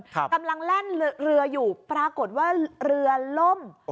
กำลังแล่นเรืออยู่ปรากฏว่าเรือล่ม